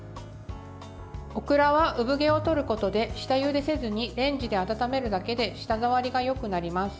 オクラは、産毛を取ることで下ゆでせずにレンジで温めるだけで舌触りがよくなります。